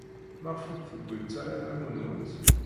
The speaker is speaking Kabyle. Maɣef ur d-tewwimt ara arraw-nwent?